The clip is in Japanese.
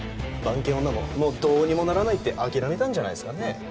番犬女ももうどうにもならないって諦めたんじゃないですかね